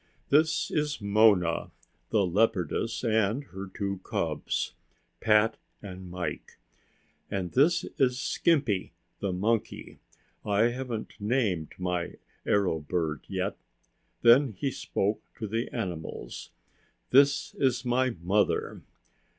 "This is Mona, the leopardess, and her two cubs, Pat and Mike. And this is Skimpy, the monkey. I haven't named my arrow bird yet." Then he spoke to the animals. "This is my mother."